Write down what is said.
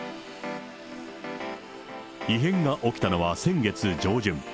異変が起きたのは先月上旬。